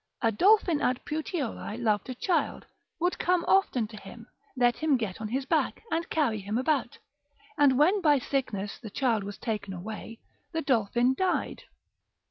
a dolphin at Puteoli loved a child, would come often to him, let him get on his back, and carry him about, and when by sickness the child was taken away, the dolphin died.